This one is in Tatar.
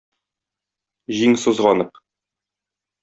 Җиң сызганып.